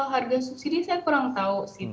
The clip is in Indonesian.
harga subsidi saya kurang tahu